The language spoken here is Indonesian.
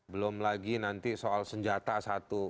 belum lagi nanti soal senjata satu